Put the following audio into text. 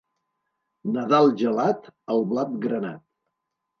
Nadal gelat, el blat granat.